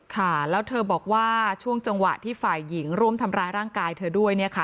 ค่ะแล้วเธอบอกว่าช่วงจังหวะที่ฝ่ายหญิงร่วมทำร้ายร่างกายเธอด้วยเนี่ยค่ะ